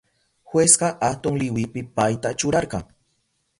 Jueska atun liwipi payta churarka.